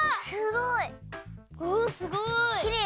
すごい！おすごい！